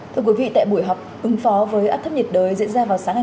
thưa quý vị tại buổi họp ứng phó với áp thấp nhiệt đới diễn ra vào sáng hai mươi tám tháng tám